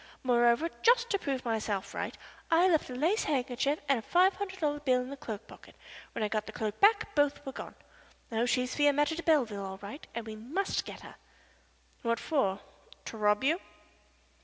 Moreover, just to prove myself right, I left my lace handkerchief and a five hundred dollar bill in the cloak pocket. When I got the cloak back both were gone. Oh, she's Fiametta de Belleville all right, and we must get her." "What for to rob you?"